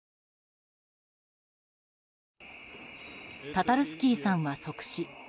タタルスキーさんは即死。